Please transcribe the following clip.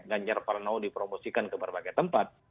ganjar pranowo dipromosikan ke berbagai tempat